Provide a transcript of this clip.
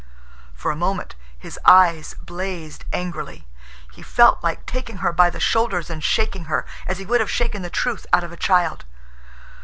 For a moment his eyes blazed angrily. He felt like taking her by the shoulders and shaking her, as he would have shaken the truth out of a child.